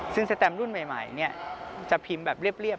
ซึ่งสแตมรุ่นใหม่จะพิมพ์แบบเรียบ